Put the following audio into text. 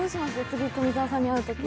次、富澤さんに会うとき。